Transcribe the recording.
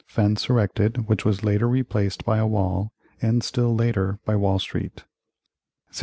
Fence erected, which was later replaced by a wall, and still later by Wall Street 1646.